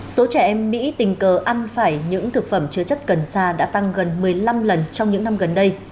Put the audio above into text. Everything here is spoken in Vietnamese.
số trẻ em mỹ tình cờ ăn phải những thực phẩm chứa chất cần xa đã tăng gần một mươi năm lần trong những năm gần đây